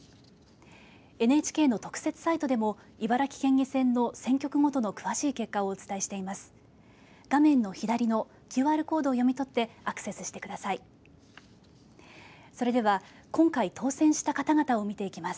ＮＨＫの特設サイトでも茨城県議選の選挙区ごとの詳しい結果をお伝えしています。